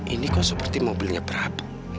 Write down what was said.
ini kok seperti mobilnya prabu